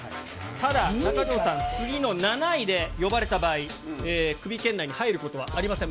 ただ、中条さん、次の７位で呼ばれた場合、クビ圏内に入ることはありません。